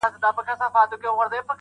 څنګه چې وجود په هرڅه کې روان بولي